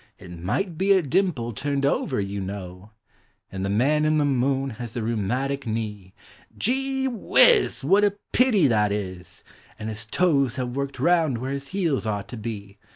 — It might be a dimple turned over, you know !" And the Man in the Moon has a rheumatic knee, Gee ! Whizz! What a pity that is! And his toes have worked round where his heels ought to be.